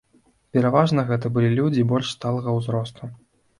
Пераважна гэта былі людзі больш сталага ўзросту.